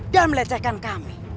dan melecehkan kami